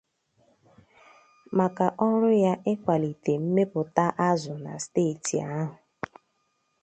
maka ọrụ ya ịkwàlite mmepụta azụ na steeti ahụ.